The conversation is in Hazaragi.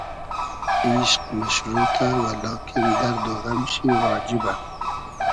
ایشق مئشروتۂ و لاکین دئرد و غئم شی واجیبۂ